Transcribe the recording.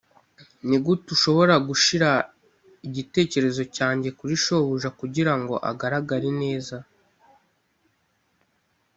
nigute ushobora gushira igitekerezo cyanjye kuri shobuja kugirango agaragare neza?